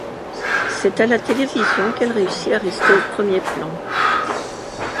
C'est à la télévision qu'elle réussit à rester au premier plan.